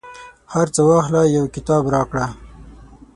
هرڅه واخله، یو کتاب راکړه